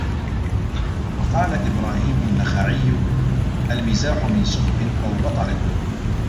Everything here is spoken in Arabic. وَقَالَ إبْرَاهِيمُ النَّخَعِيُّ الْمِزَاحُ مِنْ سُخْفٍ أَوْ بَطَرٍ